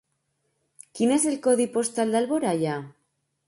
Quin és el codi postal d'Alboraia?